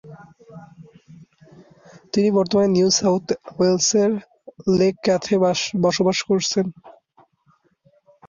তিনি বর্তমানে New South ওয়েলসের লেক ক্যাথ-এ বসবাস করছেন।